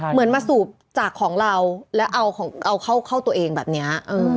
เหมือนมาสูบจากของเราแล้วเอาเข้าตัวเองแบบนี้